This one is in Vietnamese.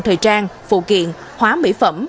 để trang phụ kiện hóa mỹ phẩm